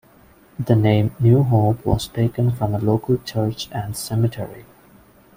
The name "New Hope" was taken from a local church and cemetery.